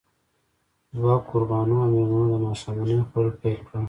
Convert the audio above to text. دوه کوربانو او مېلمنو د ماښامنۍ خوړل پيل کړل.